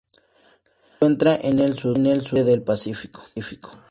Se encuentra en el sudoeste del Pacífico.